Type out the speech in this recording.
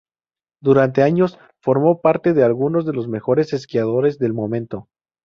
Durante años formó parte de algunos de los mejores esquiadores del momento.